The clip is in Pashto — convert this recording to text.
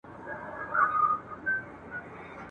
د مور خبره مني